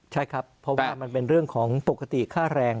ใช่ครับเพราะว่ามันเป็นเรื่องของปกติค่าแรง